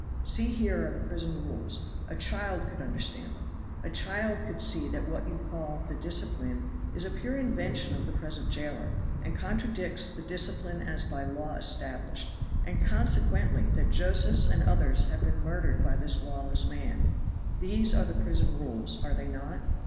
See here are the prison rules; a child could understand them. A child could see that what you call 'the discipline' is a pure invention of the present jailer, and contradicts the discipline as by law established, and consequently that Josephs and others have been murdered by this lawless man. These are the prison rules, are they not?